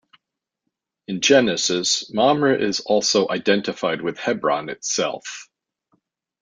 In Genesis, Mamre is also identified with Hebron itself.